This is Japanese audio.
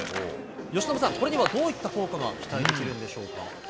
由伸さん、これにはどういった効果が期待できるんでしょうか。